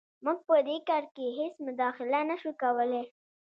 موږ په دې کار کې هېڅ مداخله نه شو کولی.